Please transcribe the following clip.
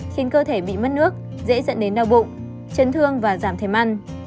khiến cơ thể bị mất nước dễ dẫn đến đau bụng chấn thương và giảm thể ăn